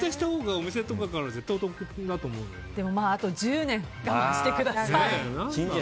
でも、あと１０年我慢してください。